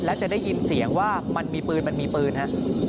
แล้วจะได้ยินเสียงว่ามันมีปืนมันมีปืนฮะ